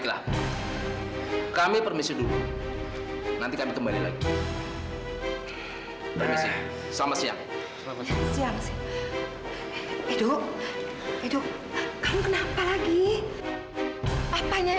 sampai jumpa di video selanjutnya